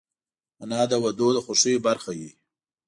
انا د ودونو د خوښیو برخه وي